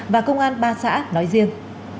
và công an ba xã nói riêng